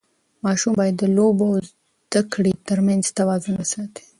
ماشوم باید د لوبو او زده کړې ترمنځ توازن وساتي.